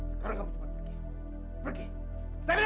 sekarang kamu cepat pergi